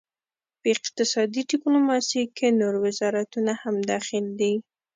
په اقتصادي ډیپلوماسي کې نور وزارتونه هم دخیل دي